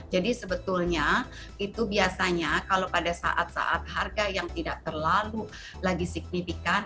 jadi sebetulnya itu biasanya kalau pada saat saat harga yang tidak terlalu lagi signifikan